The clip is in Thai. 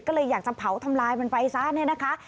ก็เลยอยากจะเผาทำลายมันไปซะเนี่ยนะคะ